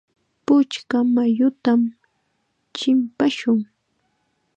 Puchka mayutam chimpashun.